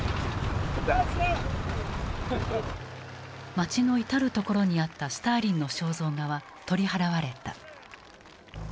街の至る所にあったスターリンの肖像画は取り払われた。